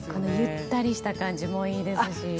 ゆったりした感じもいいですし。